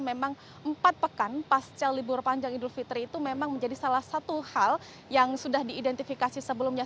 memang empat pekan pasca libur panjang idul fitri itu memang menjadi salah satu hal yang sudah diidentifikasi sebelumnya